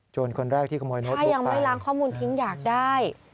คนแรกที่ขโมยนกถ้ายังไม่ล้างข้อมูลทิ้งอยากได้